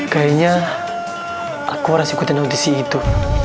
kayaknya aku harus ikutan audisi itu